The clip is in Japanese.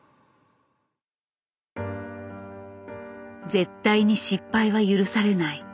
絶対に失敗は許されない。